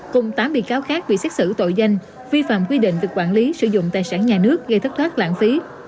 cùng tám bị cáo khác bị xét xử tội danh vi phạm quy định về quản lý sử dụng tài sản nhà nước gây thất thoát lãng phí